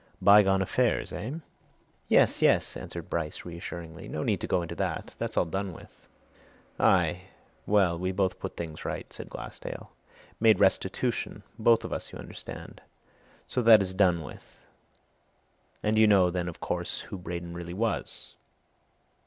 "Bygone affairs, eh?" "Yes, yes!" answered Bryce reassuringly. "No need to go into that that's all done with." "Aye well, we both put things right," said Glassdale. "Made restitution both of us, you understand. So that is done with? And you know, then, of course, who Braden really was?"